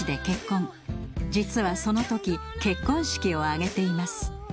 実はそのとき結婚式を挙げています。